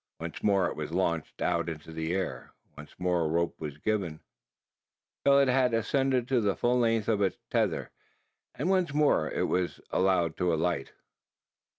Once more was it launched out into the air; once more was rope given it, till it had ascended to the full length of its tether; and once more was it allowed to alight.